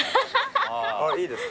いいですか？